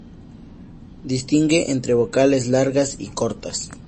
Distingue entre vocales largas y cortas.